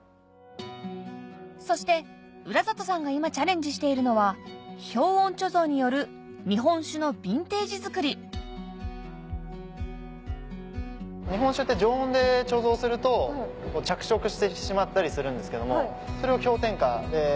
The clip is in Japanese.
そして浦里さんが今チャレンジしているのは氷温貯蔵による日本酒のビンテージ造り日本酒って常温で貯蔵すると着色してしまったりするんですけどもそれを。